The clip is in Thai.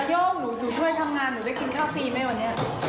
โย่งหนูช่วยทำงานหนูได้กินข้าวฟรีไหมวันนี้